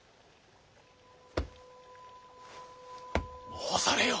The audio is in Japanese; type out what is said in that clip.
申されよ。